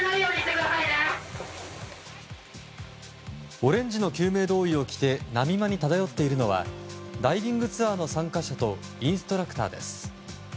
オレンジの救命胴衣を着て波間に漂っているのはダイビングツアーの参加者とインストラクターです。